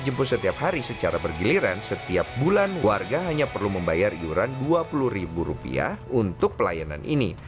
jemput setiap hari secara bergiliran setiap bulan warga hanya perlu membayar iuran dua puluh ribu rupiah untuk pelayanan ini